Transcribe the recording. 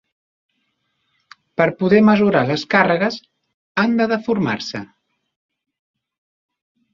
Per a poder mesurar les càrregues, han de deformar-se.